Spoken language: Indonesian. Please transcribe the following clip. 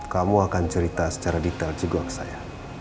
kamu akan cerita secara detail juga ke saya